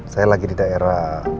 saya lagi di daerah